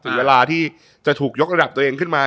ถึงเวลาที่จะถูกยกระดับตัวเองขึ้นมา